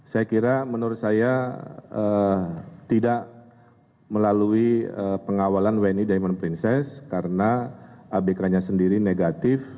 saya kira menurut saya tidak melalui pengawalan wni diamond princess karena abk nya sendiri negatif